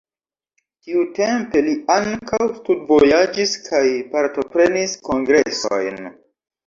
Tiutempe li ankaŭ studvojaĝis kaj partoprenis kongresojn.